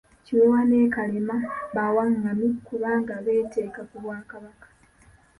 Kiweewa ne Kalema bawangami kubanga beeteeka ku Bwakabaka.